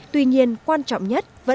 tuy nhiên quan trọng nhất